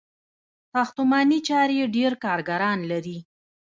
ساختماني چارې ډیر کارګران لري.